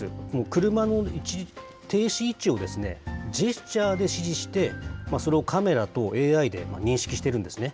車の停止位置をジェスチャーで指示して、それをカメラとＡＩで認識してるんですね。